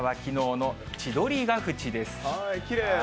きれい。